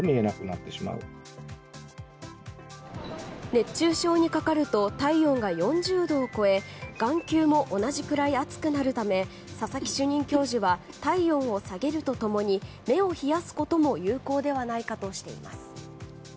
熱中症にかかると体温が４０度を超え眼球も同じくらい熱くなるため佐々木主任教授は体温を下げると共に目を冷やすことも有効ではないかとしています。